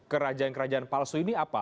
kerajaan kerajaan palsu ini apa